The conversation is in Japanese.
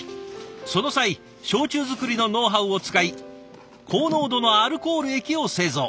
その際焼酎作りのノウハウを使い高濃度のアルコール液を製造。